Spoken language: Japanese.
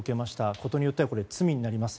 ことによっては罪になります。